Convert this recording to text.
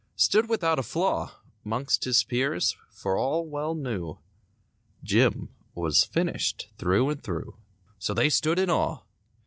Stood without a flaw 'Mongst his peers, for all well knew, Jim was finished through and through; So they stood in awe.